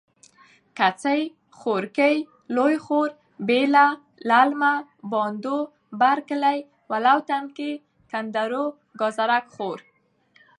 کڅۍ.خوړګۍ.لوی خوړ.بیله.للمه.بانډو.برکلی. ولو تنګی.کنډرو.ګازرک خوړ.